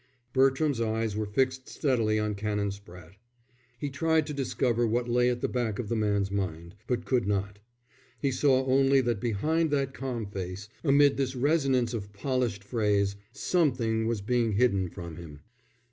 Bertram's eyes were fixed steadily on Canon Spratte. He tried to discover what lay at the back of the man's mind, but could not. He saw only that behind that calm face, amid this resonance of polished phrase, something was being hidden from him.